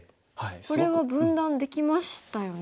これは分断できましたよね。